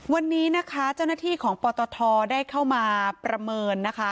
วันนี้นะคะเจ้าหน้าที่ของปตทได้เข้ามาประเมินนะคะ